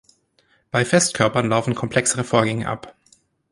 Bei Festkörpern laufen komplexere Vorgänge ab.